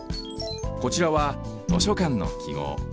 こちらは図書館のきごう。